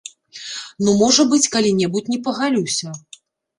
Ну, можа быць, калі-небудзь не пагалюся.